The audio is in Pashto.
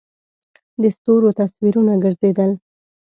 د ستورو تصویرونه گرځېدل.